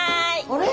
あれ？